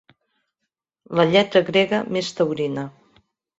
La lletra grega més taurina.